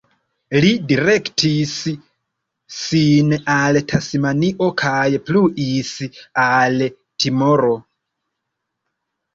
Li direktis sin al Tasmanio kaj pluis al Timoro.